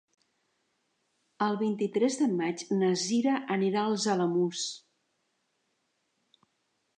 El vint-i-tres de maig na Cira anirà als Alamús.